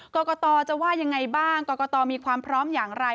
กรกตจะว่ายังไงบ้างกรกตมีความพร้อมอย่างไร